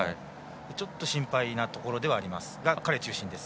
ちょっと心配なところですが彼中心です。